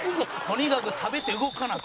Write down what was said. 「とにかく食べて動かな」